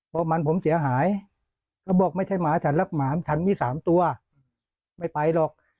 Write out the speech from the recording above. เอามันผมเสียหายแล้วก็บอกไม่ใช่หมาแต่หลักหมาชั้นมี๓ตัวไม่ไหลหรอก